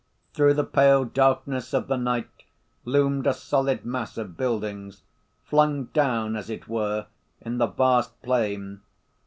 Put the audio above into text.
Through the pale darkness of the night loomed a solid black mass of buildings, flung down, as it were, in the vast plain.